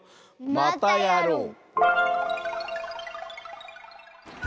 またやろう！